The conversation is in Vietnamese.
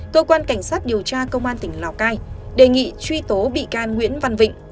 cơ quan cảnh sát điều tra công an tỉnh lào cai đề nghị truy tố bị can nguyễn văn vịnh